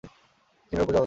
চিনোর উপর নজর রাখতে।